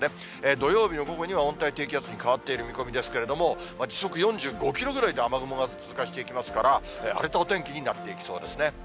土曜日の午後には温帯低気圧に変わっている見込みですけれども、時速４５キロくらいで雨雲が通過していきますから、荒れたお天気になっていきそうですね。